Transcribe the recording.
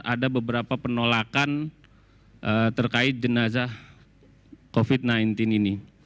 ada beberapa penolakan terkait jenazah covid sembilan belas ini